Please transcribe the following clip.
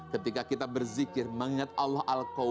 ketika kita berzikir mengingat allah